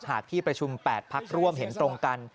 หากที่ประชุม๘พักร่วมเห็นตรงกัน